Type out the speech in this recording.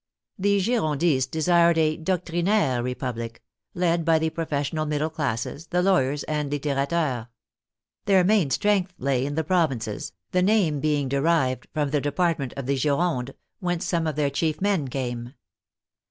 The Girondists desired a doctrinaire Re public, led by the professional middle classes, the law yers and litterateurs. Their main strength lay in the provinces, the name being derived from the department of the Gironde, whence some of their chief men came.